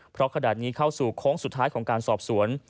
เพราะขนาดนี้เข้าสู่โค้งสุดท้ายของการสอบสวน